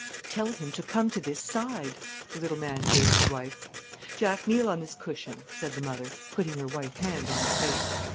"Tell him to come on this side," the little man bade his wife. "Jack, kneel on this cushion," said the mother, putting her white hand on the place.